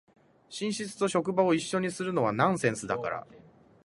寝室と職場を一緒にするのはナンセンスだから